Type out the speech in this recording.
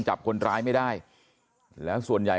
ชาวบ้านในพื้นที่บอกว่าปกติผู้ตายเขาก็อยู่กับสามีแล้วก็ลูกสองคนนะฮะ